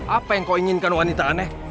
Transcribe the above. apa yang kau inginkan wanita aneh